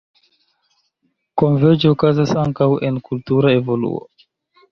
Konverĝo okazas ankaŭ en kultura evoluo.